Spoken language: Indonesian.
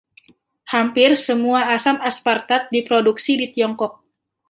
Hampir semua asam aspartat diproduksi di Tiongkok.